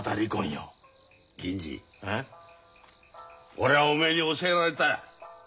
俺はおめえに教えられた。